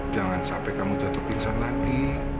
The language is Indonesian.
jangan sampai kamu jatuh pingsan lagi